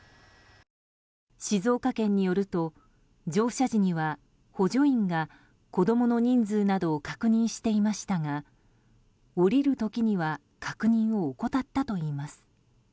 静岡県によると、乗車時には補助員が子供の人数などを確認していましたが降りる時には確認を怠ったといいます。